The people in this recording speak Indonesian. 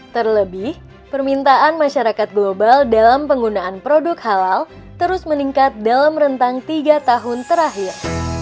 terlebih permintaan masyarakat global dalam penggunaan produk halal terus meningkat dalam rentang tiga tahun terakhir